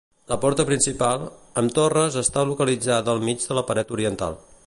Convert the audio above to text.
La porta principal, amb torres està localitzada al mig de la paret oriental.